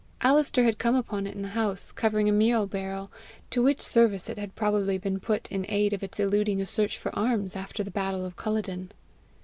Alister had come upon it in the house, covering a meal barrel, to which service it had probably been put in aid of its eluding a search for arms after the battle of Culloden.